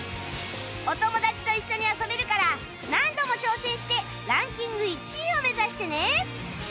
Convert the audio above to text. お友達と一緒に遊べるから何度も挑戦してランキング１位を目指してね